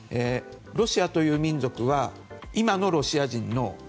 ロシアという民族は今のロシア人の。